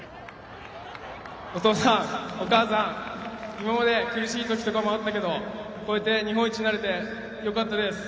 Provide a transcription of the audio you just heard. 今まで苦しい時とかもあったけどこうやって日本一になれてよかったです。